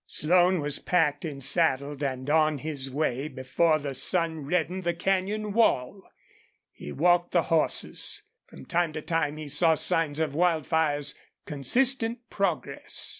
Slone was packed and saddled and on his way before the sun reddened the canyon wall. He walked the horses. From time to time he saw signs of Wildfire's consistent progress.